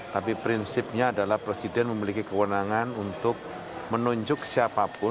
tapi prinsipnya adalah presiden memiliki kewenangan untuk menunjuk siapapun